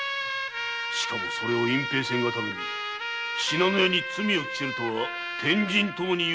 しかもそれを隠蔽せんがために信濃屋に罪を着せるとは天人ともに許し難し！